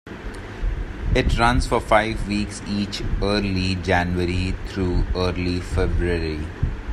It runs for five weeks each early January through early February.